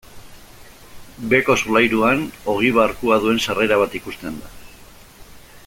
Beheko solairuan, ogiba-arkua duen sarrera bat ikusten da.